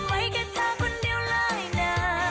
แต่มันควรไหวแค่เธอคนเดียวเลยนะ